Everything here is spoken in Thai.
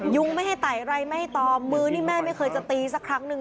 ยุงไม่ให้ไต่ไรไม่ให้ตอมมือนี่แม่ไม่เคยจะตีสักครั้งหนึ่ง